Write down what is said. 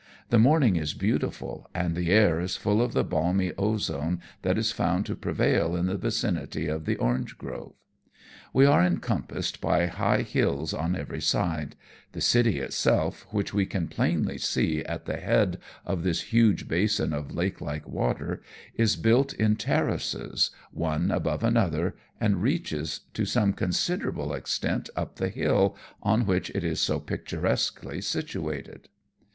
The morning is beautiful, and the air is full of the balmy ozone that is found to prevail in the vicinity of the orange grove. We are encompassed by high hills on every side ; the city itself, which we can plainly see at the head of this huge basin of lake like water, is built in terraces, one above another, and reaches to some considerable extent up the hill on which it is so picturesquely situated.